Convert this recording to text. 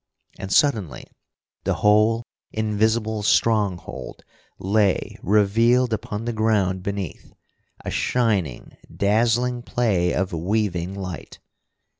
And suddenly the whole invisible stronghold lay revealed upon the ground beneath, a shining, dazzling play of weaving light.